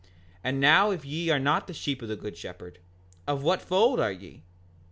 5:39 And now if ye are not the sheep of the good shepherd, of what fold are ye?